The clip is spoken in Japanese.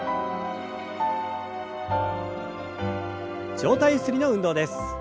上体ゆすりの運動です。